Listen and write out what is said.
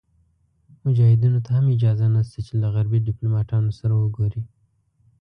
مجاهدینو ته هم اجازه نشته چې له غربي دیپلوماتانو سره وګوري.